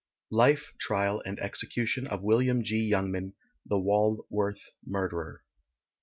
LIFE, TRIAL, AND EXECUTION OF WILLIAM G. YOUNGMAN, The Walworth Murderer.